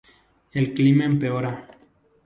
El clima empeora.